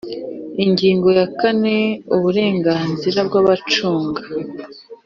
Ingingo ya kane Uburenganzira bw abacunga